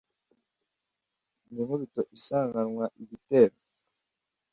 Ndi inkubito isanganwa igitero